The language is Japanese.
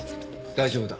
大丈夫だ。